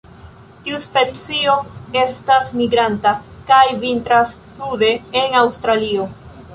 Tiu specio estas migranta, kaj vintras sude en Aŭstralio.